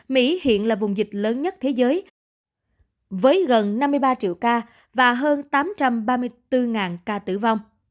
mỹ hiện là vùng dịch lớn nhất thế giới với gần năm mươi ba triệu ca và hơn tám trăm ba mươi bốn ca tử vong